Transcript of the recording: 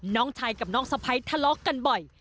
น้องชายกับน้องสะพ้ายทะเลาะกันบ่อย